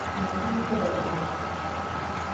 Martín Perelman